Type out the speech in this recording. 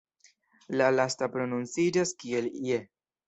La lasta prononciĝas kiel "je".